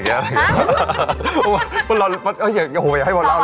ไม่ใช่สวัสดีอ่ะหัวอย่างโหวให้เวาะแห้ง